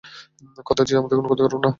কথা দিচ্ছি, তোমার কোনো ক্ষতি করবো না।